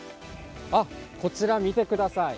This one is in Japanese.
こちら、見てください。